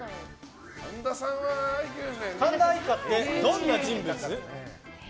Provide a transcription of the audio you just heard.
神田愛花ってどんな人物？